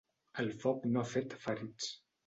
El foc no ha fet ferits.